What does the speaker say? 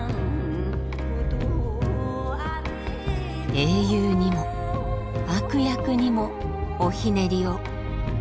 英雄にも悪役にもおひねりを。